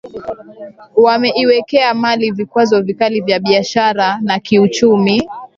wameiwekea Mali vikwazo vikali vya biashara na kiuchumi